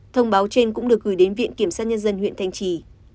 thông báo trên cũng được gửi đến viện kiểm sát nhân dân huyện thanh trì